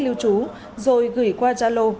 lưu trú rồi gửi qua gia lô